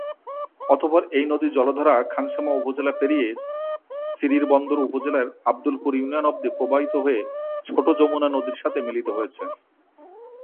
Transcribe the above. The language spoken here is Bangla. অতঃপর এই নদীর জলধারা খানসামা উপজেলা পেরিয়ে চিরিরবন্দর উপজেলার আব্দুলপুর ইউনিয়ন অবধি প্রবাহিত হয়ে ছোট যমুনা নদীর সাথে মিলিত হয়েছে।